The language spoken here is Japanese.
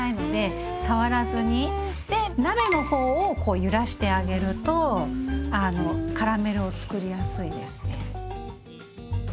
で鍋の方をこう揺らしてあげるとカラメルをつくりやすいですね。